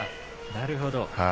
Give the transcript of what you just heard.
なるほど。